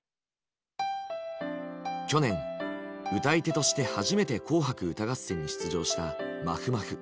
去年歌い手として初めて「紅白歌合戦」に出場したまふまふ。